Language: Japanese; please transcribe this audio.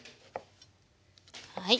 はい。